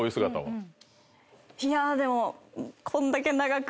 いやでも。